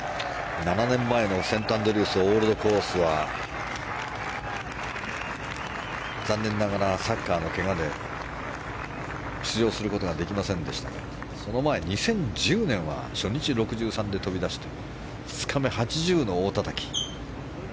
７年前のセントアンドリュースオールドコースは残念ながら、サッカーのけがで出場することができませんでしたがその前、２０１０年は初日６３で飛び出して２日目、８０の大たたき。